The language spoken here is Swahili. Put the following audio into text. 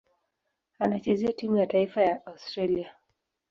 Anachezea timu ya taifa ya Australia.